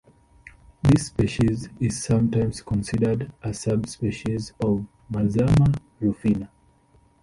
This species is sometimes considered a subspecies of "Mazama rufina".